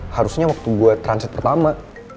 harusnya waktu buat transit pertama